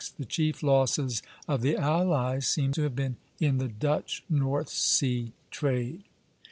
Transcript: The chief losses of the allies seem to have been in the Dutch North Sea trade.